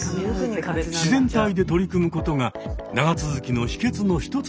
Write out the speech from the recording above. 自然体で取り組むことが長続きの秘けつの一つなんだそう。